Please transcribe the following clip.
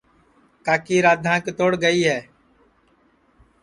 کاکی رادھاں کیتوڑ گئی ہے